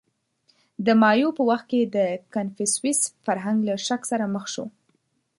• د مایو په وخت کې د کنفوسیوس فرهنګ له شک سره مخ شو.